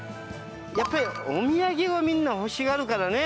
やっぱりお土産をみんな欲しがるからね